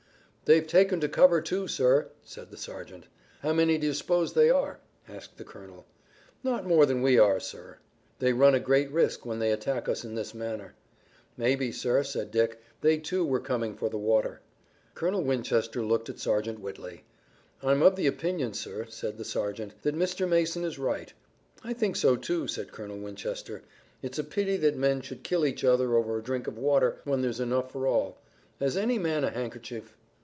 "They've taken to cover, too, sir," said the sergeant. "How many do you suppose they are?" asked the colonel. "Not more than we are, sir." "They run a great risk when they attack us in this manner." "Maybe, sir," said Dick, "they, too, were coming for the water." Colonel Winchester looked at Sergeant Whitley. "I'm of the opinion, sir," said the sergeant, "that Mr. Mason is right." "I think so, too," said Colonel Winchester. "It's a pity that men should kill each other over a drink of water when there's enough for all. Has any man a handkerchief?"